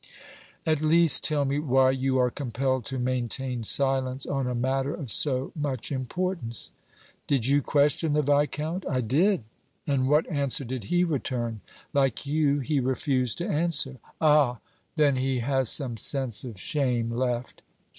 "At least, tell me why you are compelled to maintain silence on a matter of so much importance." "Did you question the Viscount?" "I did." "And what answer did he return?" "Like you, he refused to answer." "Ah! then he has some sense of shame left!"